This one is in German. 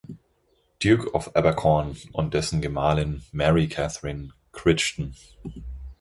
Duke of Abercorn, und dessen Gemahlin Mary Catherine Crichton.